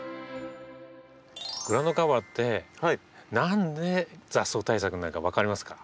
グラウンドカバーって何で雑草対策になるか分かりますか？